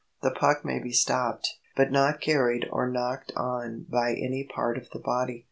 The puck may be stopped, but not carried or knocked on by any part of the body.